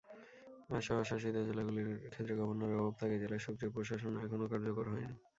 আর অ-স্বশাসিত জেলাগুলির ক্ষেত্রে গভর্নরের অভাব থাকায় জেলার সক্রিয় প্রশাসন এখনও কার্যকর হয়নি।